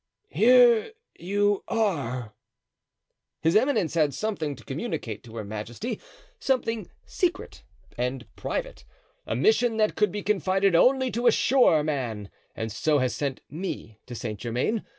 "Here you are." "His eminence had something to communicate to her majesty, something secret and private—a mission that could be confided only to a sure man—and so has sent me to Saint Germain.